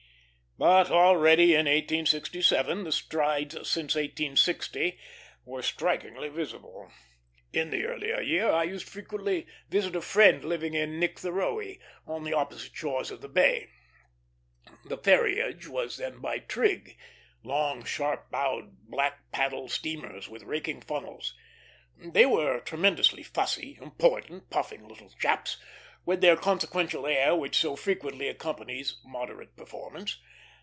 But already in 1867 the strides since 1860 were strikingly visible. In the earlier year I used frequently to visit a friend living at Nichtherohy, on the opposite shore of the bay. The ferriage then was by trig, long, sharp bowed, black paddle steamers, with raking funnels. They were tremendously fussy, important, puffing little chaps, with that consequential air which so frequently accompanies moderate performance.